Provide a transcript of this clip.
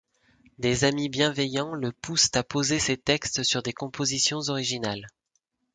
Des amis bienveillants le poussent à poser ses textes sur des compositions originales.